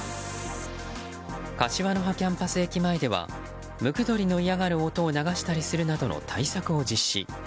柏の葉キャンパス駅前ではムクドリの嫌がる音を流したりするなどの対策を実施。